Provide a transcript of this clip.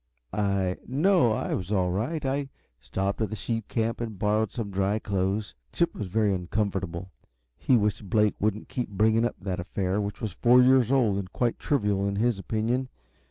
"I? No, I was all right. I stopped at that sheep camp and borrowed some dry clothes." Chip was very uncomfortable. He wished Blake wouldn't keep bringing up that affair, which was four years old and quite trivial, in his opinion.